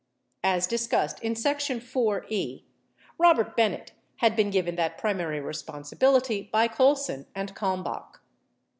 As discussed in section IV.E, Robert Bennett had been given that primary responsibility by Colson and Kalmbach.